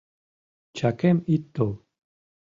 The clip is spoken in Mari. Чакем ит тол!